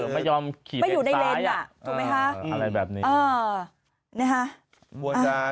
ไม่ยอมขี่ในซ้ายไม่อยู่ในเลนส์น่ะถูกไหมคะอะไรแบบนี้อ่า